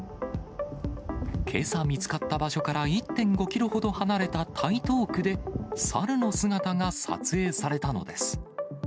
けさ見つかった場所から１．５キロほど離れた台東区で、猿の姿が撮影されたのです。